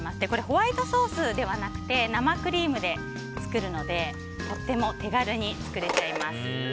ホワイトソースではなくて生クリームで作るのでとても手軽に作れちゃいます。